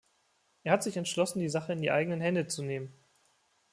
Er hat sich entschlossen, die Sache in die eigenen Hände zu nehmen.